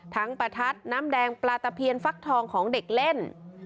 ประทัดน้ำแดงปลาตะเพียนฟักทองของเด็กเล่น